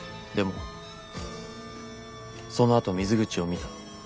でもそのあと水口を見た。